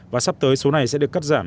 và sắp tới số này sẽ được cắt giảm